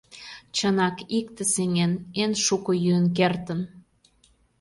Чынак, икте сеҥен: эн шуко йӱын кертын.